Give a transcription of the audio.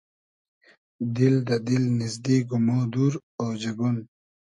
دیل دۂ دیل نیزدیگ و مۉ دور اۉجئگون